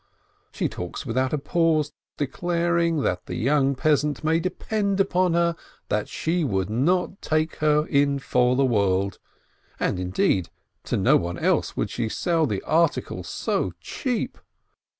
She talks without a pause, declaring that the young peasant may depend upon her, she would not take her in for the world, and, indeed, to no one else would she sell the article so cheap.